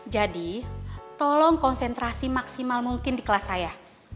tolong konsentrasi maksimal mungkin di kelas saya